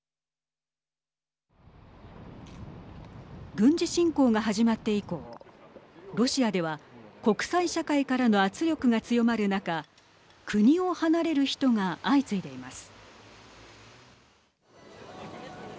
軍事侵攻が始まって以降ロシアでは国際社会からの圧力が強まる中国を離れる人が相次いでいます。